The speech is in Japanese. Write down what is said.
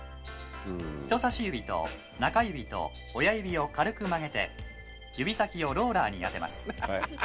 「人さし指と中指と親指を軽く曲げて指先をローラーに当てます」